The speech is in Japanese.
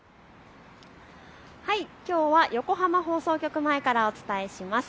きょうは横浜放送局前からお伝えします。